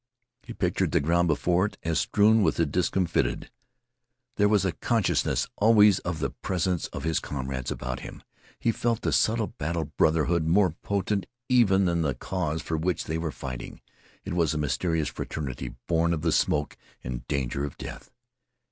He pictured the ground before it as strewn with the discomfited. There was a consciousness always of the presence of his comrades about him. He felt the subtle battle brotherhood more potent even than the cause for which they were fighting. It was a mysterious fraternity born of the smoke and danger of death.